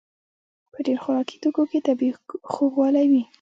په ډېر خوراکي توکو کې طبیعي خوږوالی وي.